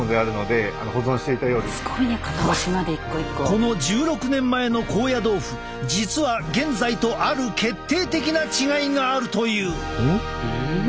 この１６年前の高野豆腐実は現在とある決定的な違いがあるという！